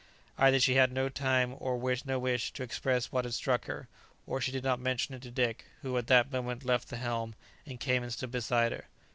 Either she had no time or no wish to express what had struck her, for she did not mention it to Dick, who, at that moment, left the helm, and came and stood beside her.